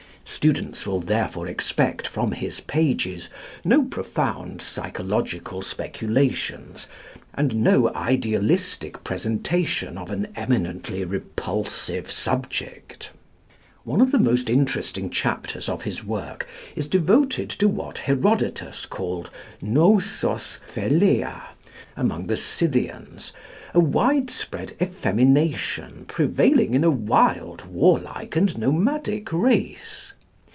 Students will therefore expect from his pages no profound psychological speculations and no idealistic presentation of an eminently repulsive subject. One of the most interesting chapters of his work is devoted to what Herodotus called Νοὑσος φἡλεια among the Scythians, a wide spread effemination prevailing in a wild warlike and nomadic race.